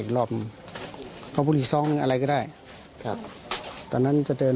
พี่บุหรี่พี่บุหรี่พี่บุหรี่พี่บุหรี่พี่บุหรี่